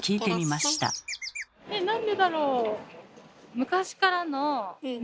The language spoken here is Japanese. えなんでだろう？